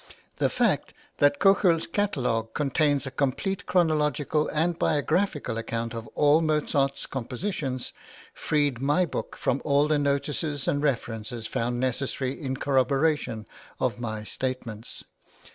The fact that Köchel's catalogue contains a complete chronological and biographical account of all Mozart's compositions freed my book from all the notices and references found necessary {INTRODUCTION.} (xxvii) in corroboration of my statements.